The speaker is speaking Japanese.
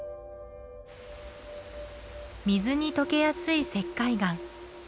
水に溶けやすい石灰岩。